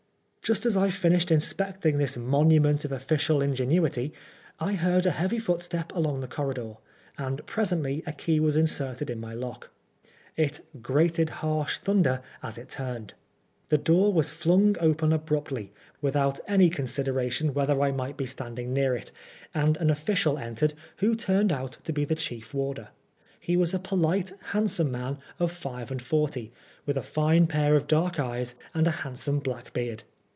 Just as I finished inspecting this monument of official ingenuity, I heard a heavy footstep along the corridor, and presently a key was inserted in my lock. It "grated harsh thunder" as it turned. The door was flung open abruptly, without any consideration whether I might be standing near it, and an official entered, who turned out to be the chief warder. He was a polite, handsome man of five and forty, with a fine pair of dark eyes and a handsome black beard.